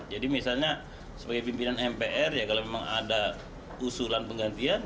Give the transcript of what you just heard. jadi misalnya sebagai pimpinan mpr ya kalau memang ada usulan penggantian